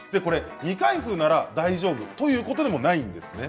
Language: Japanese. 未開封なら大丈夫ということでもないんですね。